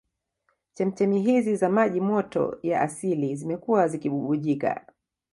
Chemchemi hizi za maji moto ya asili zimekuwa zikibubujika